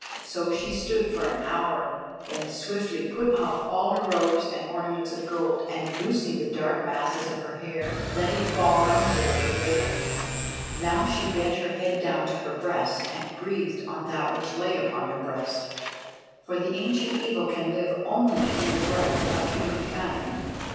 So she stood for an hour, then swiftly put off all her robes and ornaments of gold, and loosing the dark masses of her hair let it fall round her like a veil. Now she bent her head down to her breast, and breathed on that which lay upon her breast, for the Ancient Evil can live only in the breath of human kind.